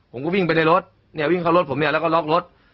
ผมก็วิ่งไปในรถเนี่ยวิ่งเข้ารถผมเนี่ยแล้วก็ล็อกรถ